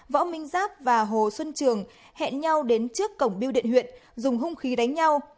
võ minh giáp và hồ xuân trường hẹn nhau đến trước cổng biêu điện huyện dùng hung khí đánh nhau